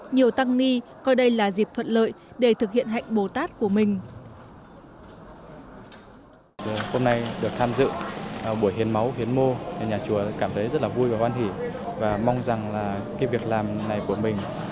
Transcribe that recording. nhiều tăng ni coi đây là dịp thuận lợi để thực hiện hạnh bồ tát của mình